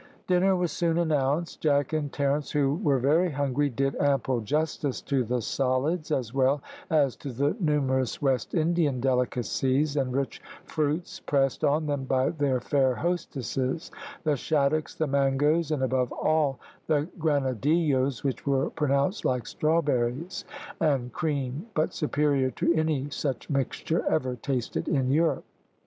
Dinner was soon announced. Jack and Terence, who were very hungry, did ample justice to the solids as well as to the numerous West Indian delicacies and rich fruits pressed on them by their fair hostesses the shaddocks, the mangos, and, above all, the granadillos, which were pronounced like strawberries and cream, but superior to any such mixture ever tasted in Europe.